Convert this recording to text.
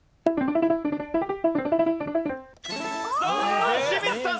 さあ清水さん